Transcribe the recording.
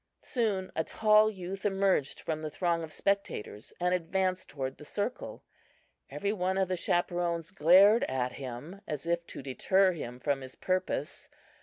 Soon a tall youth emerged from the throng of spectators and advanced toward the circle. Every one of the chaperons glared at him as if to deter him from his purpose.